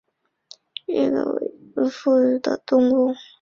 豫高亮腹蛛为园蛛科高亮腹蛛属的动物。